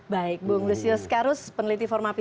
baik bu md sios karus peneliti formapi